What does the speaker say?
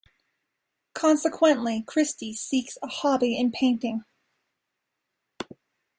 Consequently, Christy seeks a hobby in painting.